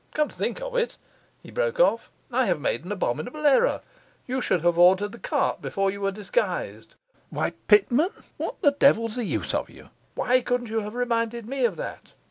Come to think of it,' he broke off, 'I have made an abominable error: you should have ordered the cart before you were disguised. Why, Pitman, what the devil's the use of you? why couldn't you have reminded me of that?